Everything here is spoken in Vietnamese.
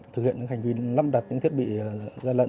thực hiện những hành vi lắp đặt những thiết bị gian lận